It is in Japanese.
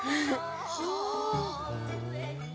はあ。